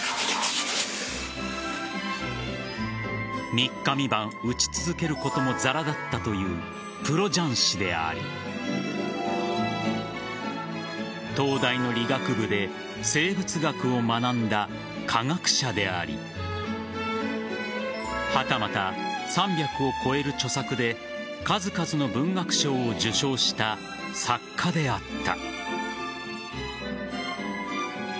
三日三晩打ち続けることもざらだったというプロ雀士であり東大の理学部で生物学を学んだ科学者でありはたまた、３００を超える著作で数々の文学賞を受賞した作家であった。